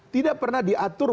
tidak pernah diatur